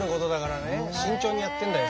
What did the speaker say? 慎重にやってんだよ。